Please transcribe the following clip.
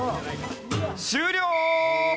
終了！